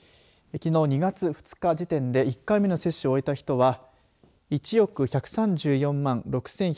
きのう２月２日時点で１回目の接種を終えた人は１億１３４万６１３８